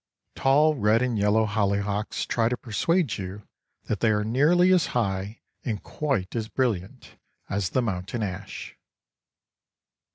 Tall red and yellow hollyhocks try to persuade you that they are nearly as high, and quite as brilliant, as the mountain ash.